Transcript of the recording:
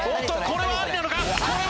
これはありなのか？